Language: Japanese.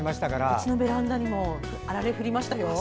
うちのベランダにもあられが降りました。